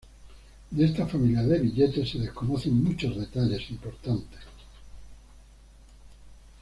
De esta familia de billetes se desconocen muchos detalles importantes.